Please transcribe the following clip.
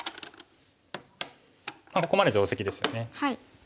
ここまで定石ですよね。